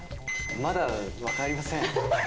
まだ分かりません。